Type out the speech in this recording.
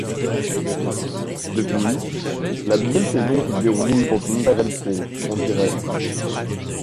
Depuis, la deuxième saison se déroule dans son intégralité en direct.